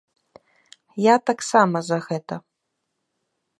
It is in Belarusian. Я таксама за гэта.